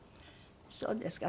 そうですか。